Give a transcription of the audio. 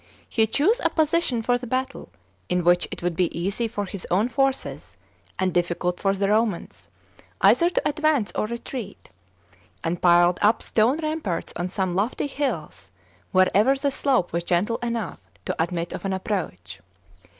He chose a position for the battle, in which it would be easy for his own forces, and difficult for the Romans, either to advance or retreat ; and piled up stone ramparts on some lofty hills wherever the slope was gentle enough to admit of an approach.